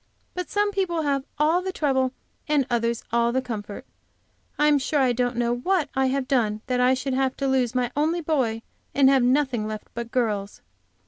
But some people have all the trouble and others all the comfort. I am, sure I don't know what I have done that I should have to lose my only boy, and have nothing left but girls.